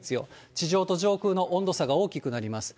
地上と上空の温度差が大きくなります。